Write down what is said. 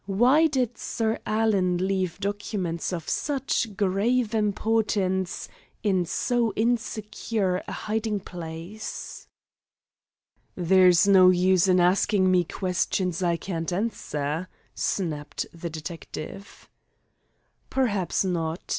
Why did Sir Alan leave documents of such grave importance in so insecure a hiding place?" "There is no use in asking me questions I can't answer," snapped the detective. "Perhaps not.